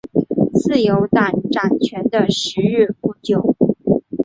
自由党掌权的时日不久。